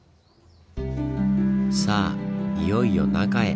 さあいよいよ中へ。